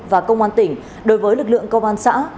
và công an tỉnh đối với lực lượng công an xã